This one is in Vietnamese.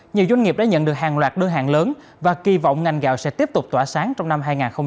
nhiều doanh nghiệp đã nhận được hàng loạt đơn hàng lớn và kỳ vọng ngành gạo sẽ tiếp tục tỏa sáng trong năm hai nghìn hai mươi bốn